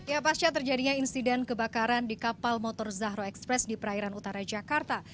ya pasca terjadinya insiden kebakaran di kapal motor zahro express di perairan utara jakarta